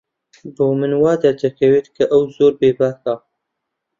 بۆ من وا دەردەکەوێت کە ئەو زۆر بێباکە.